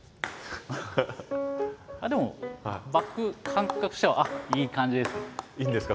あっでもバック感覚としてはあっいい感じです。